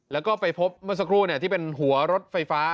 แล้วก็ไปพบเมื่อสักครู่ที่เป็นหัวรถไฟฟ้า